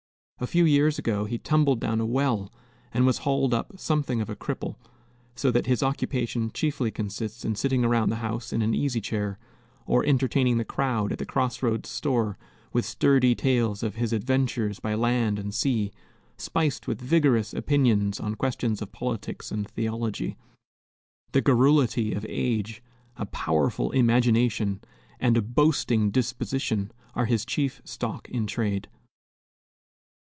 A few years ago he tumbled down a well and was hauled up something of a cripple; so that his occupation chiefly consists in sitting around the house in an easy chair, or entertaining the crowd at the cross roads store with sturdy tales of his adventures by land and sea, spiced with vigorous opinions on questions of politics and theology. The garrulity of age, a powerful imagination, and a boasting disposition are his chief stock in trade.